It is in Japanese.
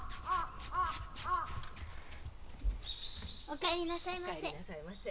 お帰りなさいませ。